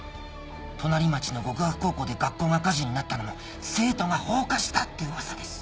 隣町の極悪高校で学校が火事になったのも生徒が放火したってウワサです。